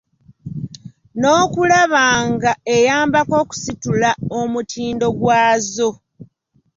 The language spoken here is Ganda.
N’okulaba nga eyambako okusitula omutindo gwazo.